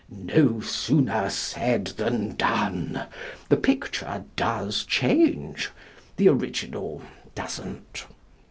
" No sooner said than done! The picture does change: the original doesn't.